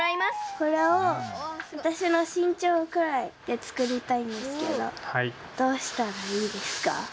これをわたしのしんちょうくらいでつくりたいんですけどどうしたらいいですか？